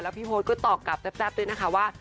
แล้วพี่โพชก็ตอกกลับแป๊บด้วยนะคะว่า